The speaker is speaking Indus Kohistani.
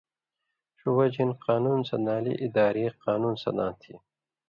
ݜُو وجیۡ ہِن قانُون سَندانۡلی اِداری قانُون سن٘دا تھی